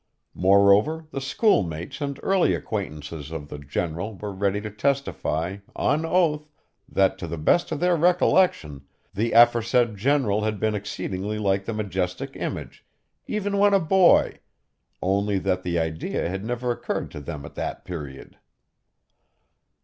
Moreover the schoolmates and early acquaintances of the general were ready to testify, on oath, that, to the best of their recollection, the aforesaid general had been exceedingly like the majestic image, even when a boy, only that the idea had never occurred to them at that period.